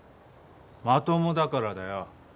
まともだからだよ。